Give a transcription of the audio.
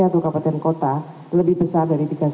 atau kabupaten kota lebih besar dari